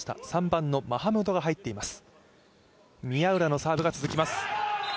３番のマハムドが入っています。